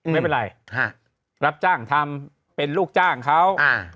ไม่เป็นไรรับจ้างทำเป็นลูกจ้างเขา